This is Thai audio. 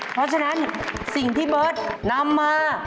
เพราะฉะนั้นสิ่งที่เบิร์ตนำมา